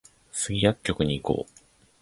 スギ薬局に行こう